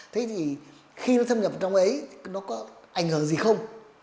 thế thì khi nó thâm nhập trong ấy nó có ảnh hưởng gì không